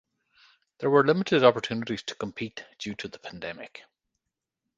There were limited opportunities to compete due to the pandemic.